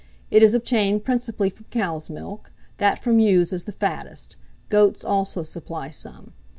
It is obtained principally from cows' milk; that from ewes is the fattest; goats also supply some.